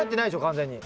完全に。